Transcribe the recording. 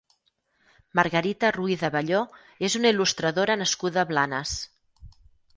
Margarita Ruíz Abelló és una il·lustradora nascuda a Blanes.